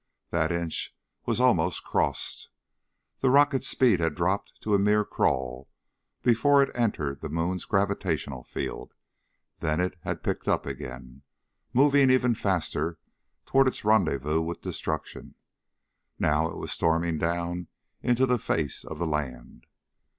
That inch was almost crossed. The rocket's speed had dropped to a mere crawl before it entered the moon's gravitational field; then it had picked up again, moving ever faster toward its rendezvous with destruction. Now it was storming down into the face of the land.